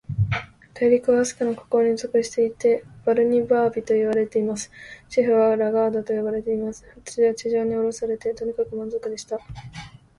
大陸は、飛島の国王に属していて、バルニバービといわれています。首府はラガードと呼ばれています。私は地上におろされて、とにかく満足でした。